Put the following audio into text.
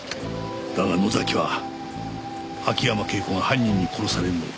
だが野崎は秋山圭子が犯人に殺されるのを黙って見ていた。